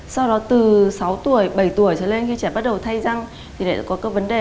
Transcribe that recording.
sau đó từ sáu tuổi bảy tuổi trở lên khi trẻ bắt đầu thay răng thì lại có các vấn đề